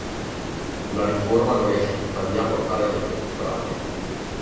La riforma non riesce tuttavia a portare gli effetti sperati.